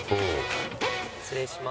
失礼します。